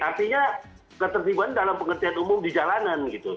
artinya ketertiban dalam pengertian umum di jalanan gitu